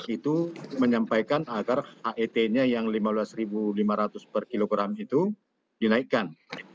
itu menyampaikan agar aet nya yang rp lima belas lima ratus per kilogram itu dinaikkan